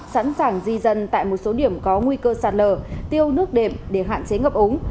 sẵn sàng di dân tại một số điểm có nguy cơ sạt lở tiêu nước đệm để hạn chế ngập ống